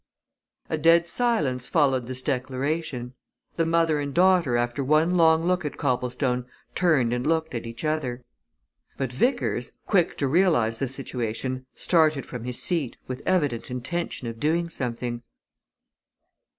A dead silence followed this declaration. The mother and daughter after one long look at Copplestone turned and looked at each other. But Vickers, quick to realize the situation, started from his seat, with evident intention of doing something.